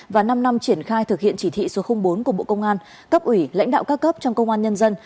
và năm năm triển khai thực hiện chỉ thị số bốn của bộ công an cấp ủy lãnh đạo các cấp trong công an nhân dân